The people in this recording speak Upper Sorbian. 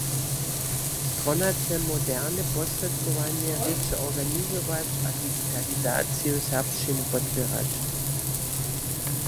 Strona chce moderne posrědkowanje rěče organizować a digitalizaciju serbšćiny podpěrać.